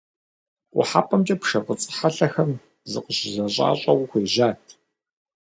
КъухьэпӀэмкӀэ пшэ фӀыцӀэ хьэлъэхэм зыкъыщызэщӀащӀэу хуежьат.